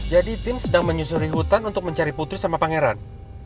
jadi tim sedang menyusuri hutan untuk mencari putri sama pangeran